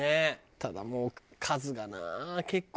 ただもう数がな結構。